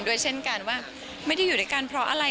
ด้วยเช่นกันว่าไม่ได้อยู่ด้วยกันเพราะอะไร